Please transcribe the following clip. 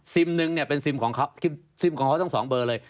ซิมหนึ่งเป็นซิมของเขาซิมของเขาต้อง๒เบอร์เลย